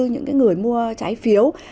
những cái người mua trái phiếu